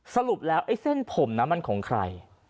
สรุปแล้วไอ้เส้นผมนั้นมันของใคร